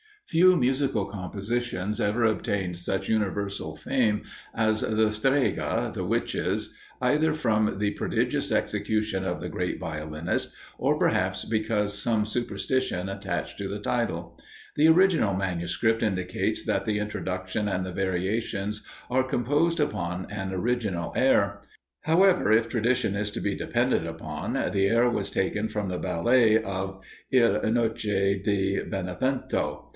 Few musical compositions ever obtained such universal fame as the "Streghe" (the Witches), either from the prodigious execution of the great violinist, or perhaps because some superstition attached to the title. The original manuscript indicates that the introduction and the variations are composed upon an original air; however, if tradition is to be depended upon, the air was taken from the ballet of "Il Noce di Benevento."